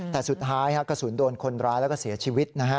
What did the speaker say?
แต่สุดท้ายกระสุนโดนคนร้ายแล้วก็เสียชีวิตนะฮะ